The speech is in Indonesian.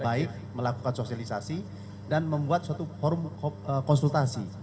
baik melakukan sosialisasi dan membuat suatu konsultasi